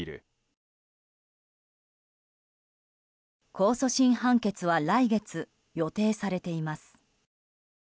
控訴審判決は来月予定されています。